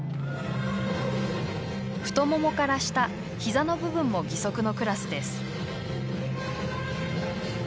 太ももから下膝の部分も義足のクラスです。